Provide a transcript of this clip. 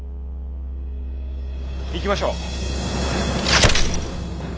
行きましょう。